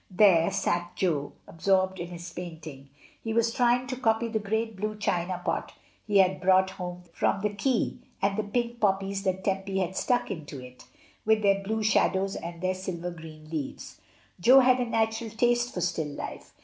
There sat Jo, absorbed in his painting. He was trying to copy the great blue china pot he had brought home from the Quai, and the pink poppies that Tempy had stuck into it, with their blue shadows and their silver green leaves; Jo had a natural taste for still life.